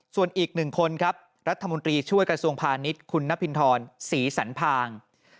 ส่วนอีกหนึ่งคนครับรัฐมนตรีช่วยกระทรวงพาณิชย์คุณนพินทรศรีสันพาง